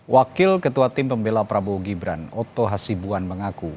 wakil ketua tim pembela prabowo gibran oto hasibuan mengaku